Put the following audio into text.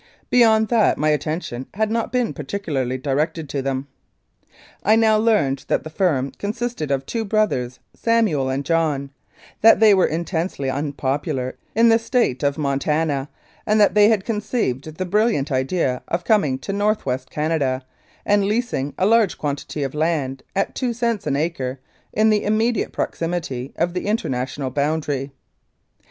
Beyond that my attention had not been particularly directed to them. I now learned that the firm consisted of two brothers, Samuel and John ; that they were intensely unpopular in the State of Montana, and that they had conceived the brilliant idea of coming to North West Canada and leasing a large quantity of land, at two cents an acre, in the immediate proximity of the international boundary.